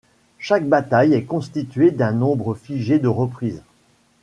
Chaque bataille est constituée d´un nombre figé de reprises.